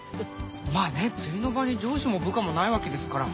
まあね釣りの場に上司も部下もないわけですから。